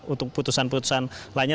untuk putusan putusan lainnya